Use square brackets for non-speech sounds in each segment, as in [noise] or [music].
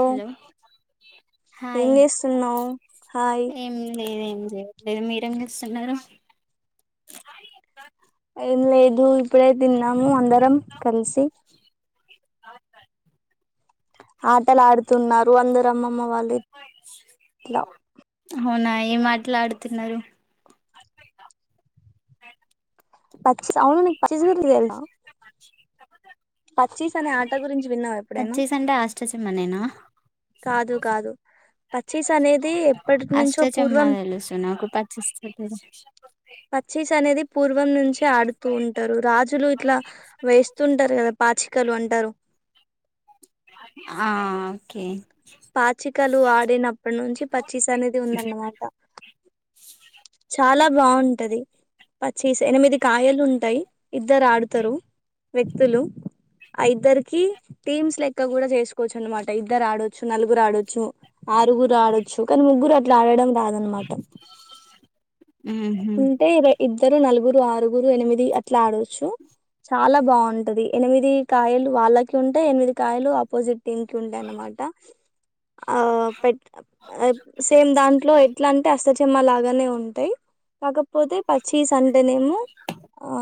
Hello ఇ ఏం hi చేస్తున్నావు హాయ్ ఏం లేద లే మీరెం చేస్తున్నారు ఏ లేదుూ ఎప్పుడై తిన్నాము అందరం కలిసి అవు ఆటలా ఆడుతు తున్నారు అందరు అమ్మమ్మ వాళ్ళు ఇట్లా అవునా ఏం మాట్లా ఆడుతున్నారు పచ్చి అవును పచ్చి పచ్చీస్ అనే ఆట గురించి ఎప్పుడైనా పచ్చేస అంటే ఆస్ర్చమనేనా కాదు కాదు పచ్చీస్ అనేది ఎప్పటి అష్ట నుంచో పూర్వం చెమ్మలు స నాకు పచ్చిస్ చె పచ్చీస్ అనేది పూర్వం నుంచే ఆడుతూ ఉంటారు. రాజులు ఇట్లా వేస్తుంటారు కదా పాచికలు అంటారు. ఆ ఓకే పాచికలు ఆడు చిన్నప్పటి నుంచి ప చీస్ అనేది ఉందన్నమాట చాలా బాగుంటది పచ్చిస్ ఎనిమిది కాయలు ఉంటాయి ఇద్దరు ఆడుతారు వ్యక్తులు ఆ ఇద్దరికి టీమ్స్ లెక్క కూడా చేసుకోవచ్చు అనమాట ఇద్దరు ఆడచ్చు నలుగురు ఆడొచ్చు ఆరుగురు ఆడొచ్చు కానీ ముగ్గురు అట్లా ఆడడం రాదనమాట ఉ హుమ్ ఉంటే ఇద్దరు నలుగురు ఆరుగురు ఎనిమిది అట్లా ఆడవచ్చు చాలా బాగుంటది ఎనిమిది కాయలు వాళ్ళకి ఉంటే ఎనిమిది కాయలు ఆపోజిట్ టిమ్ కి ఉంటాయి అన్నమాట ఆ పెట్టుకో ఆ సేమ్ దాని ఇట్లో ఎట్లా అంటే ఆస్టాచమ్మా లాగానే ఉంటాయి కాకపోతే పచ్చీస్ అంటేనేమో ఆ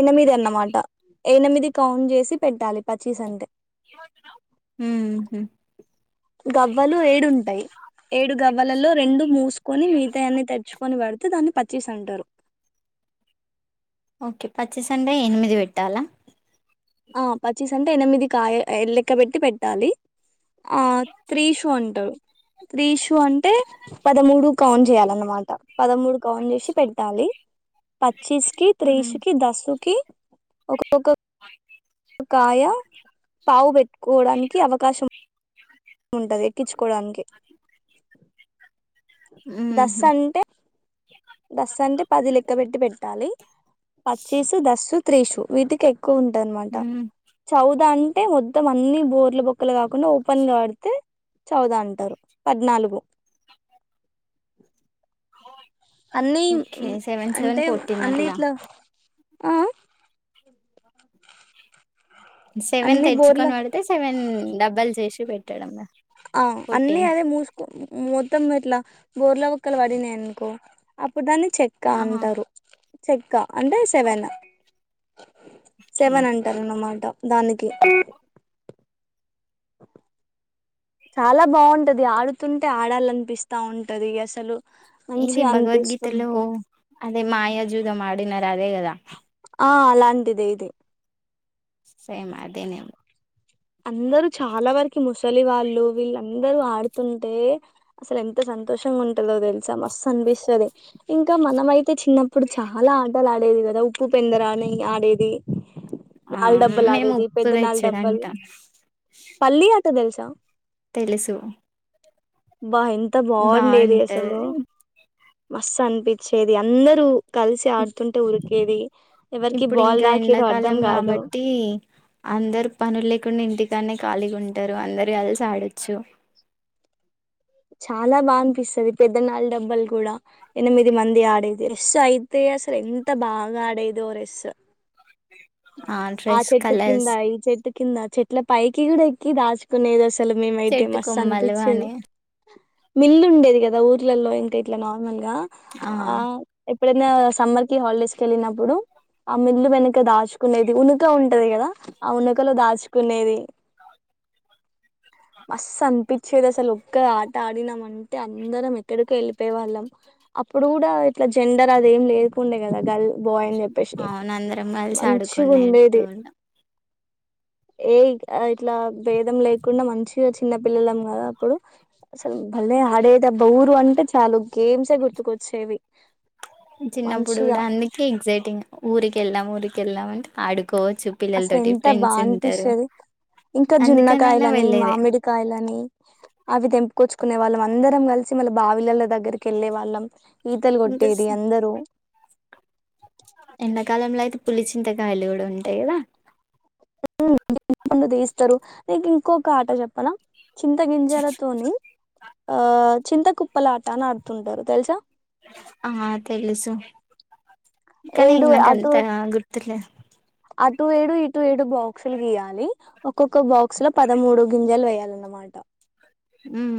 ఎనిమిది అన్నమాట ఎనిమిది కౌంట్ చేసి పెట్టాలి పచ్చీస్ అంటే హమ్ గవ్వలు ఏడుంటాయి ఏడు గవ్వలలో రెండు మూసుకొని మిజితాయన్నీ తెరూచ్చుకొని పడతాయి. అతే దాన్ని పచ్చిష్ అంటారు ఓకే పచ్చి అంటే ఎనిమిది పెట్టాలా ఆ పచ్చీస్ అంటే ఎనిమిది కాయలు లెక్క పెట్టి పెట్టాలి ఆ త్ర్రిసు అంటరు త్రీసు అంటే పదమూడు కౌంట్ చేయాలన్నమాట పదమూడు కౌంట్ చేసి పెట్టాలి ప పచ్చిస్కి ఉహు త్రేసుకి దసుకి ఒకోక్క కాయ పావు పెట్ కోవడానికి అవకాశం ఉంటది ఎక్కించుకోడానికి దాస్ అంటే దస్ అంటే పది లెక్క పెట్టి పెట్టాలి పచిసు దాస్ త్రీస్ వీటికి ఎక్కు ఎక్కువ ఉంటే అన్నమాట ఉమ్ చౌద అంటే మొత్తం అన్ని బోర్ల బొక్కలు కాకుండా ఓపెన్ గా ఆడితే చౌదు అంటారు పద్నాలుగు అన్ని ఓకే సెవెన్ సెవెన్ అంటే ఫోర్టీన్ అన్ని అట్లా ఇట్లా ఆ సెవెన్ అన్ని బోర్ల తెచ్చుకొని పడితే సెవెన్ డబల్ చేసు టిపెట్టడం గ ఆ అన్నీ అదే మూసుకో మ మొత్తము ఇట్లా బోర్లో బోక్కల పడి ననుకో ఇప్పుడ్ దాన్ని చెక్క ఆహా అంటారు చెక్క అంటే సెవెన్ ఓకే సెవన్ అంటారున్నమాట దానికి చాలా బాగుంటది ఆడుతుంటే ఆడాలనిపిస్తా ఉంటది అసలు ఇది మంచిగా భగవద్గీతలో అనిపిస్తుంటే అదే మాయా జూదమఅడిన అదే కదా ఆ అలాంటిది ఇది సేమ్ అదేనే ఉ అందరు చాలా వరకి ముసలి వాళ్ళు వీళ్ళందరూ ఆడుతుంటే అసలు ఎంత సంతోషంగా ఉంటందో తెలుసా మస్తు అనిపిస్తుంది ఇంకా మనం అయితే చిన్నప్పుడు చాలా ఆ బట్టలు ఆడేది కదా ఉప్పు పెందరాని ఆడేది ఆ నాలు డబ్బలు మేము ఆడేది ఉప్పు పెద్ద నాలు తెచ్చడు డబ్బలు అంటాం పల్లి అ అంట తెలుసా తెలుసు వాహ ఎంత్ అంత బాగుండేది బాగుంటది అసలో మస్త్ అనిపించేది అందరూ కలిసి ఆడుతుంటే ఉఊరికి ఎది ఇప్పుడు ఇంకా ఎండాకాలం కాదు కాబట్టి అందరు పనులు లేకుండా ఇంటికి దాన్న ఖాళీగా ఉంటారు అందరు కలిసి ఆడొచ్చు చాలా బా అనిపిస్తుది పెద్దనాళ్ళ డబ్బలు కూడా ఎనిమిది మంది ఆడేది రెస్సు అయితే అసలు ఎంత బాగా ఆడేదిోఓ రెస్ ఆ డ్రెస్ చెట్టు కింద కలర్స్ ఈ చెట్టు కింద చెట్టు ఇట్లా పైకి కూడా ఎక్కి దాచుకునేది అసలు మేమయితే చెట్టు మస్తు కొమ్మలు అనిపించేది అని మిల్లు ఉండేది కదా ఊర్లలో ఇంకై ఇ నార్మల్ గా ఆ ఎ ఎప్పుడైనా సమ్మర్ కి హాలిడేస్ క వెళ్ళినప్పుడు ఆ మిల్లు వెనక దాచు కునేది ఉనుక ఉంటది కదా ఆ ఉనుకలో దాచుకునేది మస్ అనిపించేది అసలు ఒక్క ఆట ఆడినాం అంటే అందరం ఎక్కడికి వెళ్ళిపోయే వాళ్ళం అప్పుడు కూడా ఇట్లా జెండర్ అద ఏం లేదుకుండే కదా గల్ అవున అందరం కలిసి ఆడుగు మంచిగా ఉండేది కొన్నట్టుందా ఏ ఇట్లా భేదం లేకుండా మంచి గా చిన్న పిల్లలం కదా అప్పుడు అసలు భలే ఆడేదబ్బ ఊరు అంటే చాలు గేమ్సే గుర్తుకొచ్చేవి చిన్నప్పుడు మంచిగా కూడా అందుకే ఎక్సైటింగ్ ఊరికి వెళ్దాం ఊరికి కెల్లామంటే ఆడు అసలు ఎంత బాగా అనిపిస్తది ఇంకా అందుకనైనా జున్నకాయలని వెళ్ళేదే మామిడికాయలని అవి తెంపుకొచ్చుకునే వాళ్ళం అందరం కలిసి మళ్ళీ బావిలల దగ్గరికి వెళ్ళే వాళ్ళం ఈతలు ఇంకా కొట్టేది అందరూ ఎండాకాలంలో అయితే పులిచింతకాయలు కూడా ఉంటాయి కదా [unintelligible] నీకు ఇంకొక ఆట చెప్పాల చింత గింజాలతోని ఆ చింతకుప్పలా ఆట అని ఆడుతుంటారు తెలుసా ఆ తెలుసు కనీ ఇ ఏడు అటు నాకంతగా గుర్తులేదు అటు ఏడు ఇటు ఏడు బాక్సులు గీయాలి ఒక్కొక్క బాక్స్ లో పదమూడు గింజలు వేయాలన్నమాట ఉహు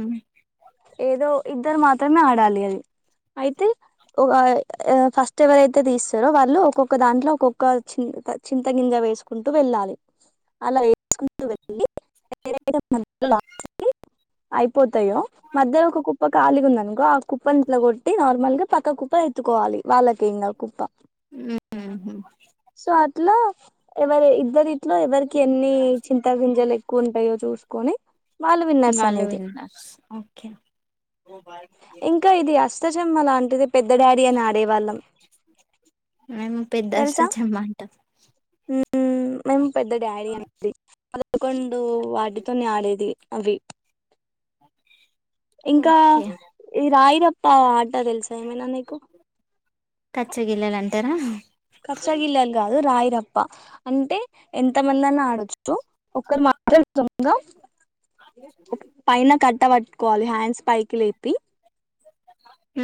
ఏదో ఇద్దరు మాత్రమే ఆడాలి అది అయితే ఒక ఫస్ట్ ఎవరైతే తీస్తారో వాళ్ళు ఒక్కొక్క దాంట్లో ఒక్కొక్క చి చింత గింజ వేసుకుంటూ వెళ్ళాలి అలా వేసుకుంటూ వెళ్ళి [unintelligible] అయిపోతాయో మధ్య ఒక కుప్ప కాలిగా ఉందనుకో కుప్పన్ ఇట్లా కొట్టి నార్మల్గా పక్క కుప్ప ఎత్తుకోవాలి వాళ్ళకె ఇంగా కుప్ప ఉ ఉ సో అట్లా ఎవరి ఇద్దరి ఇట్లో ఎవరి కేన్ని చింత గింజల ఉంటాయో చూసుకొని వాళ్ళు విన్నర్స్ ఇన్నాళ్లు అనేది వింద ఓకే ఉప్మా లాంటిది పెద్ద డాడీ అని ఆడేవాళ్ళం మేము పెద్ద తెలుసా అష్టచమ్మ అంటాం హు మేము పెద్ద డాడీ అండి పదకొండు వాటితోనే ఆడేది అది ఇంకా ఓకే ఈ రాయిరప్ప ఆట తెలుసా ఏమనా నీకు తరా కచ్చ గిన్నెలు కాదు రాయిరప్ప తప్ప అంటే ఎంత మంది అన్న ఆడొచ్చు ఒకరు మాత్రం దొంగ పైన కట్ట పట్టుకోవాలి హ్యాండ్స్ పైకి లే పి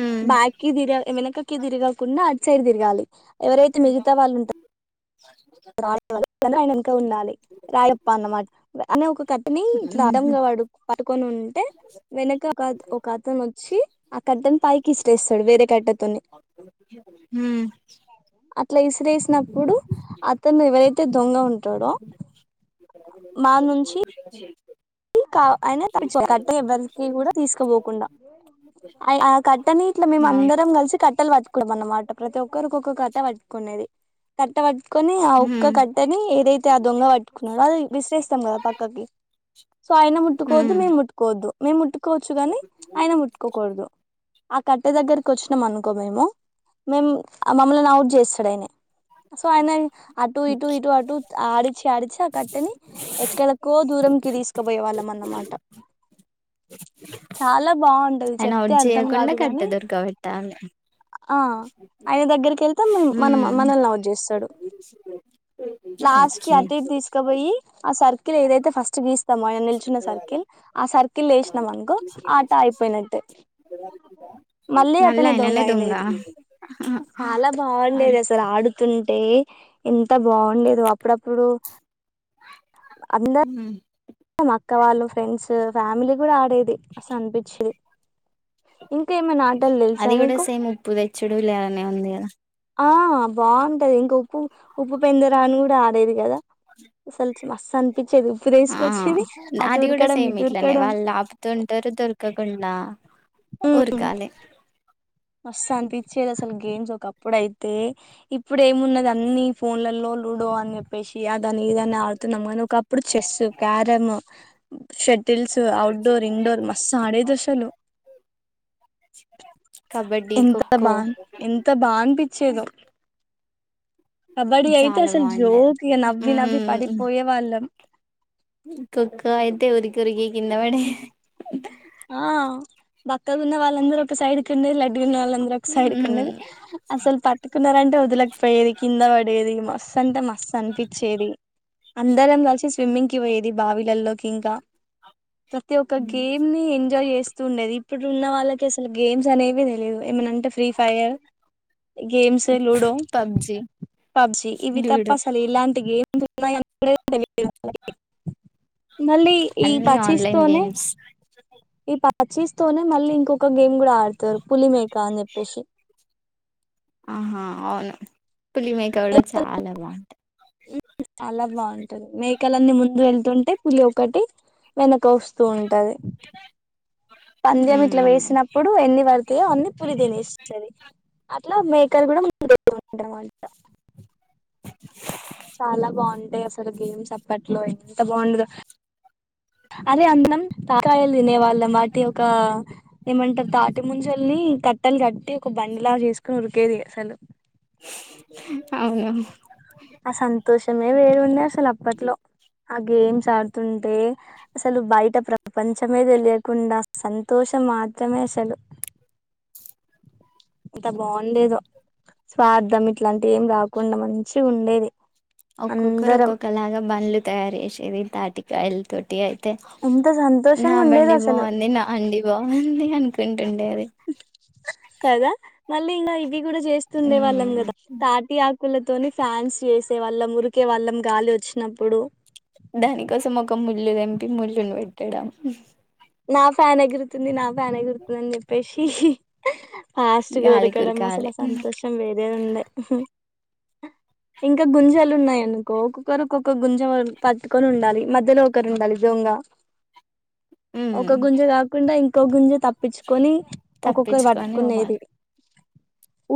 ఉమ్, బకి దిరి వెనకకి తిరిగాకుండా సైడ్ తిరగాలి ఎవరైతే మిగతా వాళ్ళు ఉంటారో.. ఆయన వెనక ఉండాలి. రాయప్ప అన్నమాట అనే ఒక కట్టని. ఇట్లా అడంగా ఉమ్, పడు పడుకొని ఉంటే వెనక ఒక ఒక అతను వచ్చి ఆ కట్టని పైకి.. స్టేస్ సడు వేరేట్ట. హు. స్లైస్ విసిరేసినప్పుడు అతను ఎవరైతే దొంగ ఉంటాడో మా నుంచి.. అయినా కట్టె ఎవ్వరికి కూడా తీసుకుపోకుండా ఆ కట్ట నీట్లో మేము. అవును అందరం కలిసి కట్టెలు పట్టుకోవ అన్నమాట ప్రతి ఒక్క. ఒకక్కరికొక్క కథ పట్టుకునేది కట్టవ ట్టుకొని ఆ ఉక్క ఉమ్, కట్టని ఏదైతే ఆ దొంగ పట్టుకున్నాడో అది విశ్రస్తాం కదా పక్కకి సో ఆయన ముట్టుకోవద్దు ఉమ్. మేము ముట్టుకోవద్దు, మేము ముట్టుకోవచ్చు కాని ఆయన ముట్టుకోకూడదు. ఆ కట్టె దగ్గరకి వచ్చినాం అనుకో మేము, మేము మమ్మల్ని అవుట్ చేస్తాడుయినే. సో ఆయనని అటుూ ఇటు ఇటు అటు ఆడిచ్చ ఆడి. ఆ కట్టని ఎక్కడకో దూరం క్రస్ ఎపోయే వాళ్ళం అన్నమాట చాలా బాగుంటది ఆయన చెప్తే అవుట్ అర్థం చేయకుండా కాదు కట్ట కాగాని దొరకబెట్టాలి ఆ ఆయన దగ్గరికి వెళ్తే మన ఉమ్, మనల్ని నౌట్ చేస్తాడు లాస్ట్ కి అతి ఓకే తీసుకపోయి ఆ సర్ ఏదైతే ఫస్ట్ గీస్ మ నిల్చిన సర్కిల్ ఆ సర్కిల్ కి లేసినాం అనుకో ఆట అయిపోయినట్టే మళ్ళీ మళ్ళా అతనే దొంగ ఆయననే అయినది చాలా బాగుండేది. అసలు ఆడుతుంటే ఎంత బాగుండేది అప్పుడప్పుడు అందరం హ అక్క వాళ్ళు ఫ్రెండ్స్ ఫ్యామిలీ కూడా ఆడేది అసలు అనిపించేది ఇంకా ఏమైనా ఆటలు తెలుసా అది కూడా నీకు సేమ్ ఉప్పు తెచ్చుడు లేలానే ఉంది కదా ఆ బాగుంటది ఇంకా ఉప్పు ఉప్పు పెందరాని కూడా ఆడేది కదా అసలు మస్ అంత ఆ అది కూడా ఉరకడం సేమ్ ఇటు ఇట్లనే ఉరకడం వాళ్ళు ఆపుతుంటారు దొరకకుండా ఒక కాల మస్తు అనిపచ్చేది అసలు గేమ్స్ ఒక అప్పుడయితే ఇప్పుడు ఏమున్నది అన్నిీ ఫోన్లలో లూడో అని చెప్పేసి అ దాని ఏదన్న ఆడుతున్నాము కానీ ఒకప్పుడు చెస్సు క్యారమ్ షడ్ తెలుసు ఔట్ డోర్ ఇన్ండోర్ మస్స ఆడేది అసలు కబడ్డీ ఎంత ఆ ఖోఖో బా ఎంత బా అనిపించేదో కబడ్డీ అయితే చాలా అసలు బాగుండే జోకిగా నవ్వి నవ్వి పడిపోయే వాళ్ళం కొక్కొ అయితే ఒరికి ఒరికి ఇన్నవడె ఆ బక్క ఉన్న వాళ్ళందరుూ ఒక సైడ్కి ఉండే లడ్డుకున్న వాళు అందరు ఒక సైడ్కి ఉండది అసలు పట్టుకున్నారంటే వదలకపోయేది కింద పడేది మ సందమ అనిపించేది అందరం కలిసిి స్విమ్మింగ్ కి పోయేది ది బావీలలో కింకా ప్రతి ఒక్క గేమ్ ని ఎంజాయ్ చేస్త తుండేది ఇప్పుడు ఉన్న వాళ్ళకి అసలు గేమ్స్ అనేవి తెలిదు ఏమనంటే Free Fire games ludo PUBG PUBG ఇవి తప్ప లూడో అసలు ఇలాంటి గేమ్ మళ్ళీ ఈ అన్ని ఆన్లైన్ పచిస్తోనే గేమ్స్ పచీస్ తతోనే మళ్ళీ ఇంకొక గేమ్ కూడా ఆడు తోర్ పులి మేకా అని చేప్పేసి పులి మేక కూడా మేకల చాలా బాగుంటాంది చాలా బాగుంటుంది మేకలన్నీ ముందు వెళ్తుంటే పులి ఒకటి వెనక వస్తూ ఉంటది పంద్యం ఇట్లా వేసినప్పుడు ఎన్ని పడుతాయో అన్ని పులి తినేసిద్ది అద్ది అట్లా మేకలు కూడా ముందు ఉంటారు అంట అసలు గేమ్స్ అప్పట్లో ఎంత బాగుండదుో అదే అందం తాకాయలు తినే వాళ్ళమాటి ఒక ఏమంటారు తాటి ముంజల్ని కట్ అట్టలు కట్టి ఒక బండిలాగా చేసుకుొని ఉరికేది అసలు అవును ఆ సంతోషమే వేరున్నా అసలు అప్పట్లో ఆ గేమ్స్ ఆడుతుంటే అసలు బయట ప్రపంచమేద తెలియకుండా సంతోషం మాత్రమే అసలు ఇంత బాగుండేదో స్వార్థం ఇట్లాంటి ఏం రాకుండా మంచి ఉండేది ఒక్కొక్కరు అందరం ఒక్కొక్కలాగా బండ్లు తయారు చేేసేది తాటికి కాయలు తటీయి ఎంత నా సంతోషంగా ఉండేది బండి అసలు బాగుంది నా అంగి బాగుంది అనుకుంటుండే. అది నల్ ఇంకా ఇ మీ కూడా చేస్తుండే వాళ్ళం కదా తాటి ఆకు క్కులతోని ఫ్యాన్స్ చేేసే వాళ్ళం ఉరికే వాళ్ళం గాలి వచ్చినప్పుడు దానికోసం ఒక ములు తేపి ములును పెట్టడం నా ఫ్యాన్ ఎగురుతుంది నా ఫ్యాన్ ఎగురుతుంది అని చెప్పేసి ఇహిహీ ఆస్థి గాలి దొరకడం అసలు కురకాలి సంతోషం వేరే ఉండే ఇంకా గుంజాలు ఉన్నాయనుకో ఒకొక్కరు ఒకొక్క గుంజ పట పట్టుకొని ఉండాలి మధ్యలో ఒకరు ఉండాలి. దొంగ ఉమ్ ఒక గుంజ కాకుండా ఈక ఓ గుంజత్ తప్పించుకొని ఒక్కొక్కరు ఒకొక్కరు తప్పించుకొని పట్టుకునేది పోవాలి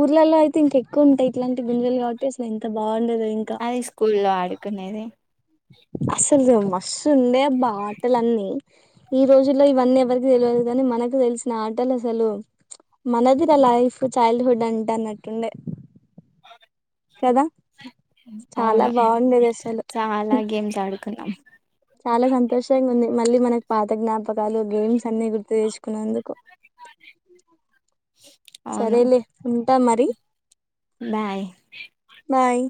ఊర్లలో అయితే ఎక్కువ ఉంటాయి ఇట్లాంటి గుంజలు కాబట్టి అసలు ఎంత బాగుండేదో ఇంకా అది స్కూల్లో ఆడుకునేది అసలు మస్ ఉన్నాయి అమ్మ వంటలన్నీ ఈ రోజుల్లో ఇవన్నీ ఎవరికి తెలియదు. కానీ మనకు తెలిసిన ఆటలు అసలు మనది నా లైఫ్ చైల్డ్ హుడ్ అంటే అన్నట్టుండే. అ [inaudible] కదా చాలా బాగుండేది అసలు హు చాలా గేమ్స్ ఆడుకున్నాం మళ్ళీ మనకి పాత జ్ఞాపకాలు గేమ్స్ అన్ని గుర్తు తెచ్చుకున్నందుకు రిక్వదే సరేలే ఉంటా మరి బాయ్ బాయ్